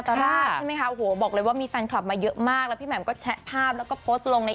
ตราราชใช่ไหมคะโอ้โหบอกเลยว่ามีแฟนคลับมาเยอะมากแล้วพี่แหม่มก็แชะภาพแล้วก็โพสต์ลงใน